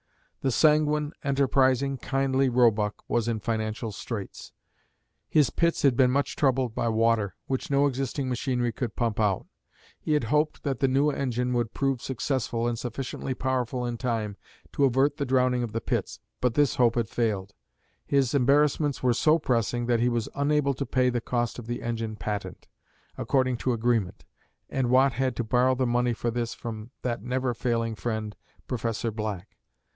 The sanguine, enterprising, kindly Roebuck was in financial straits. His pits had been much troubled by water, which no existing machinery could pump out. He had hoped that the new engine would prove successful and sufficiently powerful in time to avert the drowning of the pits, but this hope had failed. His embarrassments were so pressing that he was unable to pay the cost of the engine patent, according to agreement, and Watt had to borrow the money for this from that never failing friend, Professor Black.